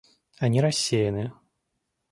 Они рассеяны.